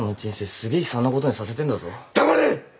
すげえ悲惨なことにさせてんだぞ。黙れ！